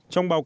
trong báo cáo